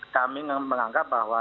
kami menganggap bahwa